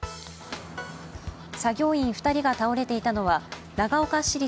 作業員２人が倒れていたのは長岡市立